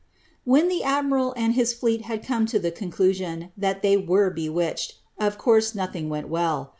* When the admiral and his fleet had come to the conclusion that they were bewitched, of course nothing went well.